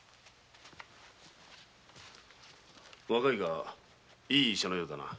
若いがいい医者のようだな。